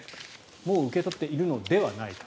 もう受け取っているのではないか。